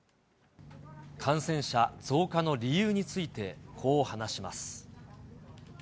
感染者増加の理由について、こう話します。